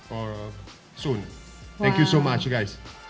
terima kasih banyak teman teman